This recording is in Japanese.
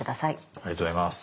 ありがとうございます。